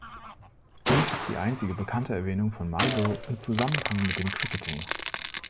Dies ist die einzige bekannte Erwähnung von Marlborough im Zusammenhang mit dem Cricketing.